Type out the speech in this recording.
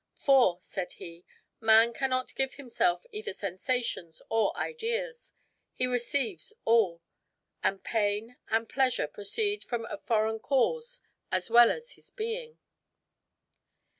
"For," said he, "man cannot give himself either sensations or ideas; he receives all; and pain and pleasure proceed from a foreign cause as well as his being."